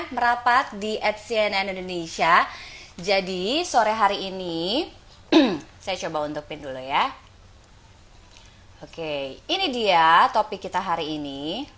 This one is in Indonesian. merapat di at cnn indonesia jadi sore hari ini saya coba untukin dulu ya oke ini dia topik kita hari ini